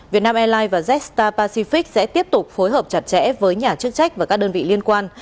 việt nam airlines và jetstar pacific sẽ tiếp tục phối hợp chặt chẽ với nhà chức trách và các đơn vị liên quan